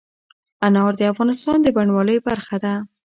انار د افغانستان د بڼوالۍ برخه ده.